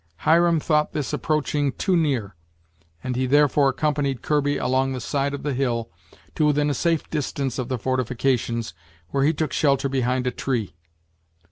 Hiram thought this approaching too near, and he therefore accompanied Kirby along the side of the hill to within a safe distance of the fortifications, where he took shelter behind a tree.